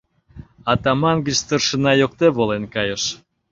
«Атаман» гыч «старшина» йокте волен кайыш.